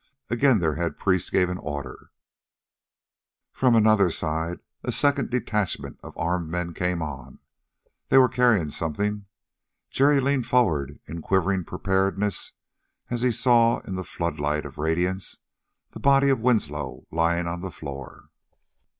Again their head priest gave an order; from another side a second detachment of armed men came on. They were carrying something. Jerry leaned forward in quivering preparedness as he saw, in the floodlight of radiance, the body of Winslow lying on the floor.